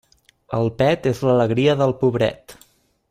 El pet és l'alegria del pobret.